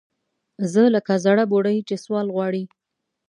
زه لکه زَړه بوډۍ چې سوال غواړي